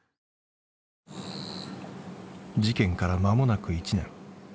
事件からまもなく１年。